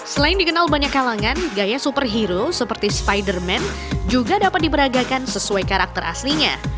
selain dikenal banyak kalangan gaya superhero seperti spider man juga dapat diberagakan sesuai karakter aslinya